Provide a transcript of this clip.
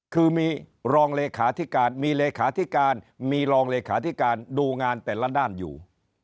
คือมีรองเลขาธิการมีเลขาธิการมีรองเลขาธิการดูงานแต่ละด้านอยู่